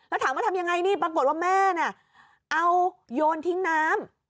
แล้วถามว่าทำยังไงนี่ปรากฏว่าแม่น่ะเอาโยนทิ้งน้ำ